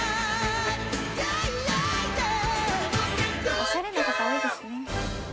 おしゃれな方多いですね。